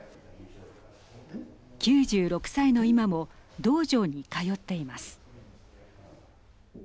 ９６歳の今も道場に通っています。